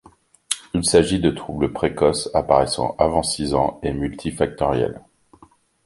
Il s'agit de troubles précoces, apparaissant avant six ans, et multi-factoriels.